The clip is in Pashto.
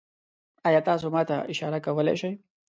ایا تاسو ما ته اشاره کولی شئ؟